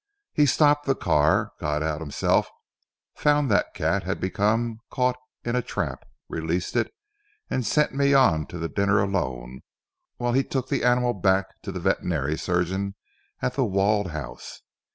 He stopped the car, got out himself, found that the cat had been caught in a trap, released it, and sent me on to the dinner alone whilst he took the animal back to the veterinary surgeon at The Walled House.